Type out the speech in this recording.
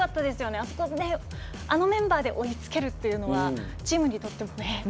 あそこをあのメンバーで追いつけるというのはチームにとってもね。